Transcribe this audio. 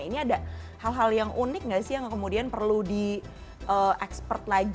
ini ada hal hal yang unik enggak sih yang kemudian perlu diekspert lagi